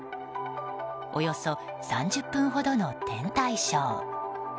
およそ３０分ほどの天体ショー。